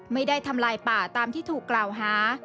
ไม่ได้ทำลายป่าตามที่ถูกกล่าวหา